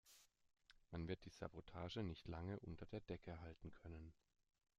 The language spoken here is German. Man wird die Sabotage nicht lange unter der Decke halten können.